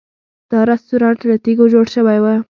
دا رسټورانټ له تیږو جوړ شوی و.